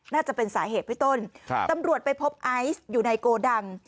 น่าจะเป็นสาเหตุพี่ต้นตำรวจไปพบไอซ์อยู่ในโกดัง